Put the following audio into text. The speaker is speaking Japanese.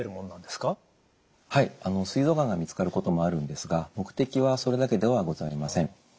すい臓がんが見つかることもあるんですが目的はそれだけではございません。